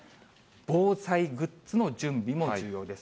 防災グッズの準備も重要です。